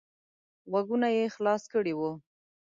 غوږونه یې خلاص کړي وو.